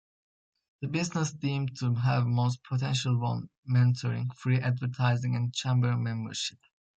The businesses deemed to have most potential won mentoring, free advertising and chamber membership.